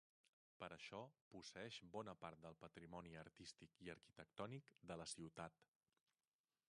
Per això posseeix bona part del patrimoni artístic i arquitectònic de la ciutat.